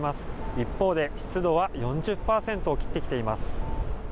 一方で湿度は４０％を切ってきています。